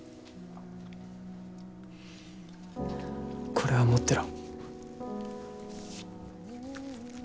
これは持ってろ。